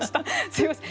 すいません。